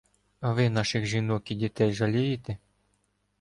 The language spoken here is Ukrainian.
— А ви наших жінок і дітей жалієте?!